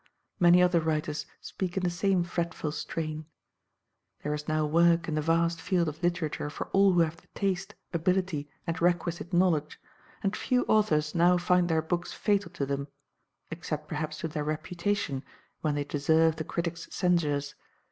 Many other writers speak in the same fretful strain. There is now work in the vast field of literature for all who have the taste, ability, and requisite knowledge; and few authors now find their books fatal to them except perhaps to their reputation, when they deserve the critics' censures.